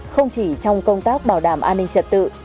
không chỉ trong công tác bảo đảm an ninh trật tự